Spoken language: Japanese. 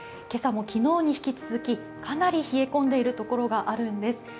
今朝も昨日に引き続きかなり冷え込んでいるところがあるんです。